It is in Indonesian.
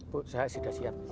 bu saya sudah siap